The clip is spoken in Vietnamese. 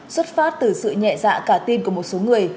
xuất phát từ sự nhẹ dạ cả tin của một số người